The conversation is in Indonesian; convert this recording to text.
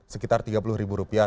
sekitar tiga puluh rupiah